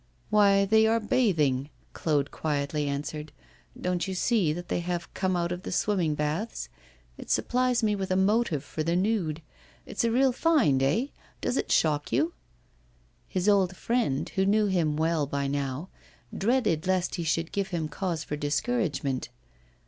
'Why, they are bathing,' Claude quietly answered. 'Don't you see that they have come out of the swimming baths? It supplies me with a motive for the nude; it's a real find, eh? Does it shock you?' His old friend, who knew him well by now, dreaded lest he should give him cause for discouragement.